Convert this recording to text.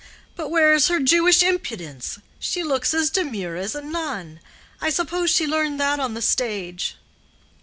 But where is her Jewish impudence? She looks as demure as a nun. I suppose she learned that on the stage."